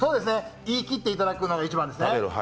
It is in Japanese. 言い切っていただくのが一番ですね。